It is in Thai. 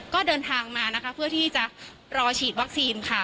ก็เดินทางมานะคะเพื่อที่จะรอฉีดวัคซีนค่ะ